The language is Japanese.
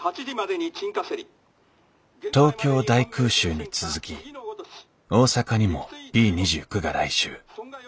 東京大空襲に続き大阪にもＢ２９が来襲。